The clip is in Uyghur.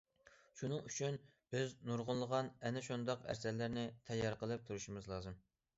شۇنىڭ ئۈچۈن بىز نۇرغۇنلىغان ئەنە شۇنداق ئەسەرلەرنى تەييار قىلىپ تۇرۇشىمىز لازىم.